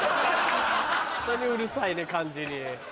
ホントにうるさいね漢字に。